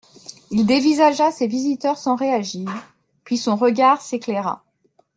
Il dévisagea ses visiteurs sans réagir puis son regard s’éclaira.